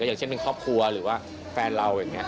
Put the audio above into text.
อย่างเช่นเป็นครอบครัวหรือว่าแฟนเราอย่างนี้